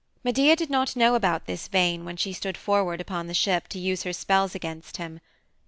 Medea did not know about this vein when she stood forward upon the ship to use her spells against him.